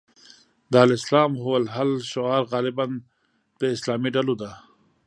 د الاسلام هو الحل شعار غالباً د اسلامي ډلو ده.